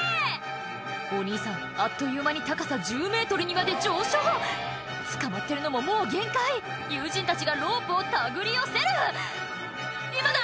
お兄さんあっという間に高さ１０ｍにまで上昇つかまってるのももう限界友人たちがロープを手繰り寄せる「今だ！